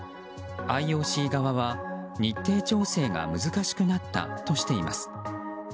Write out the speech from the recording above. ＩＯＣ側は日程調整が難しくなったとしています。